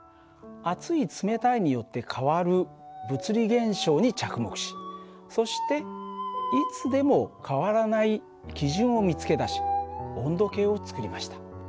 熱い冷たいによって変わる物理現象に着目しそしていつでも変わらない基準を見つけ出し温度計を作りました。